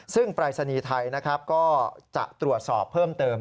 ซึ่งปรายศนีย์ไทยนะครับก็จะตรวจสอบเพิ่มเติม